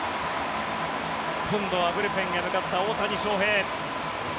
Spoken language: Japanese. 今度はブルペンへ向かった大谷翔平。